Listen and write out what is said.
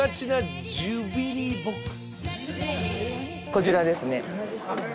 こちらですね。